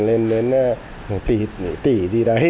lên đến một tỷ gì đấy